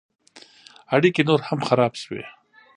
اړیکې نور هم خراب شوې.